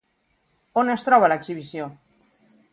On es troba l'exhibició?